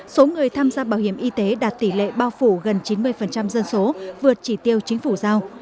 số người tham gia bảo hiểm y tế đạt tỷ lệ bao phủ gần chín mươi dân số vượt chỉ tiêu chính phủ giao